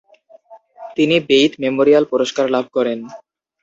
তিনি বেইত মেমোরিয়াল পুরস্কার লাভ করেন।